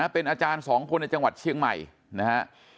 เป็นอาจารย์๒คนในจังหวัดเชียงใหม่นะฮะ